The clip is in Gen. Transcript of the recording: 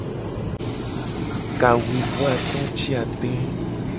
Kawuivoato ti ade.